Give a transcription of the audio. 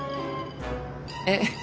えっ？